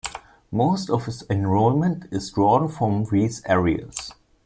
Most of its enrollment is drawn from these areas.